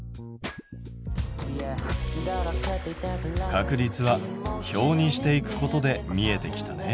確率は表にしていくことで見えてきたね。